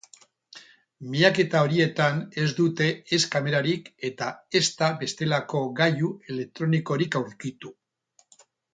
Miaketa horietan ez dute ez kamerarik eta ezta bestelako gailu elektronikorik aurkitu.